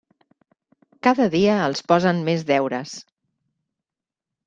Cada dia els posen més deures.